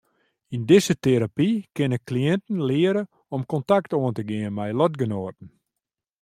Yn dizze terapy kinne kliïnten leare om kontakt oan te gean mei lotgenoaten.